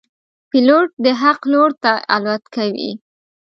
پیلوټ د حق لور ته الوت کوي.